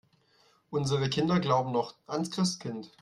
Unsere Kinder glauben noch ans Christkind.